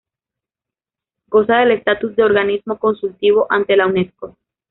Goza del estatus de organismo consultivo ante la Unesco.